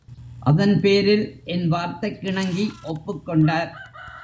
அதன் பேரில் என் வார்த்தைக்கிணங்கி ஒப்புக் கொண்டார்.